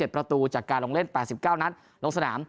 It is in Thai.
ประตูจากการลงเล่น๘๙นัดลงสนาม